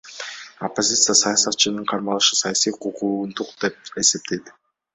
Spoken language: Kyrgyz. Оппозиция саясатчынын кармалышын саясий куугунтук деп эсептейт.